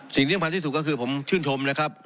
สิ่งที่ยังพันธุ์ที่สุดก็คือผมชื่นชมนะครับ